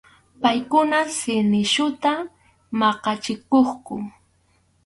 Paykuna si nisyuta maqachikuqku.